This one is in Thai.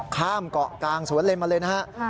ข้ามเกาะกลางสวนเลนมาเลยนะฮะ